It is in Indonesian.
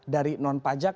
dari non pajak